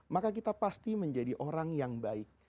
maka kita pasti menjadi orang yang baik